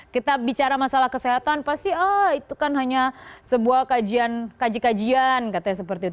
kita bicara masalah kesehatan pasti ah itu kan hanya sebuah kaji kajian katanya seperti itu